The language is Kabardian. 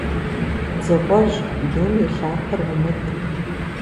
Дзыгъуэжь, дум и лъапэр умытӀ.